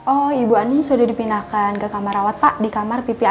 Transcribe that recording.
oh ibu andin sudah dipindahkan ke kamar rawat pak di kamar ppic lima ratus enam